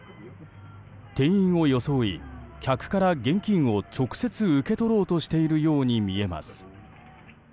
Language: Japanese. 店員を装い、客から現金を直接受け取ろうとしているように見えます。